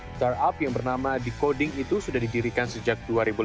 startup yang bernama de coding itu sudah didirikan sejak dua ribu lima belas